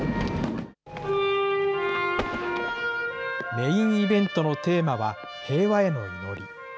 メインイベントのテーマは、平和への祈り。